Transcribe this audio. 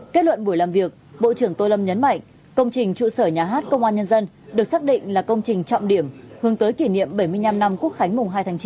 kết luận buổi làm việc bộ trưởng tô lâm nhấn mạnh công trình trụ sở nhà hát công an nhân dân được xác định là công trình trọng điểm hướng tới kỷ niệm bảy mươi năm năm quốc khánh mùng hai tháng chín